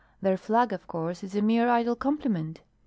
Their flag, of course, is a mere idle compliment.